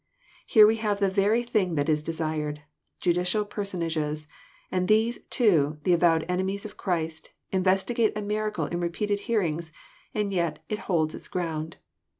Here we have the very thing that is desired ; Judicial personages, and these, too, the avowed enemies of Christ, investigate a miracle in repeated hearings, and yet it holds its ground.